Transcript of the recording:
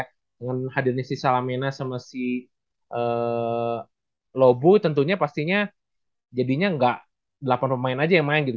dengan hadirnya si salamena sama si lobu tentunya pastinya jadinya nggak delapan pemain aja yang main gitu